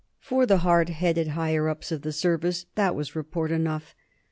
For the hard headed higher ups of the Service, that was report enough.